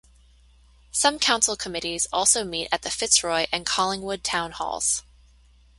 Some council committees also meet at the Fitzroy and Collingwood Town Halls.